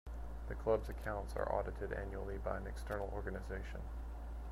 The Club's accounts are audited annually by an external organisation.